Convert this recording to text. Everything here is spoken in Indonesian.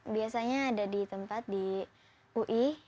biasanya ada di tempat di ui